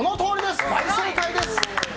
大正解です！